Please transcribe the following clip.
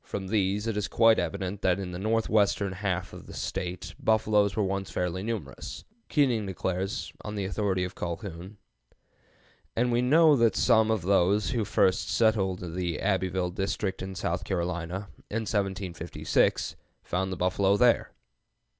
From these it is quite evident that in the northwestern half of the State buffaloes were once fairly numerous. Keating declares, on the authority of Colhoun, "and we know that some of those who first settled the Abbeville district in South Carolina, in 1756, found the buffalo there."